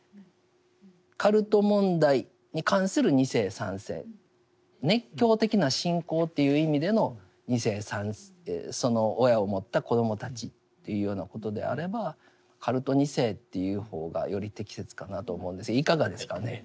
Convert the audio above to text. カルト問題に関する２世３世熱狂的な信仰という意味での２世３世その親を持った子どもたちというようなことであればカルト２世と言う方がより適切かなと思うんですけどいかがですかね？